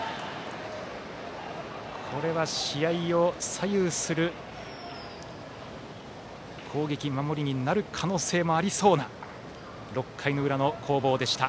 これは試合を左右する攻撃、守りになる可能性もありそうな６回の裏の攻防でした。